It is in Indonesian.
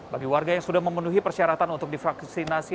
bagi warga yang sudah memenuhi persyaratan untuk divaksinasi